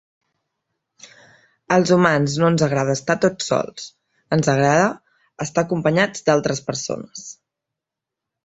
Als humans no ens agrada estar tots sols, ens agrada estar acompanyats d'altres persones.